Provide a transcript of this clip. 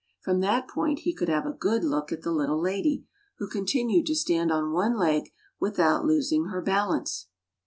From that point he could have a good look at the little lady, who continued to stand on one leg without losing her balance.